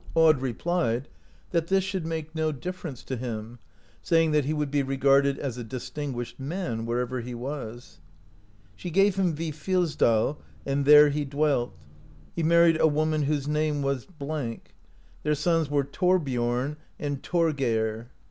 Aud re plied, that this should make no difference to him, saying that he would be regarded as a distinguished man wherever he was. She gave him Vifilsdal (15) and there he dwelt. He married a woman whose name was ... their sons were Thorbiom and Thorgeir.